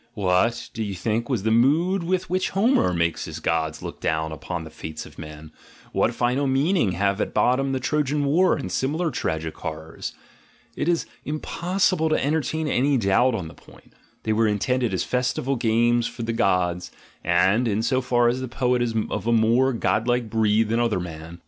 What, do you think, was the mood with which Homer makes his gods look down upon the fates of men? What final meaning have at bottom the Trojan War and similar tragic horrors? It is impossible to entertain any doubt on the point: they were intended as festival games for the gods, and, in so far as the poet is of a more godlike breed than other men.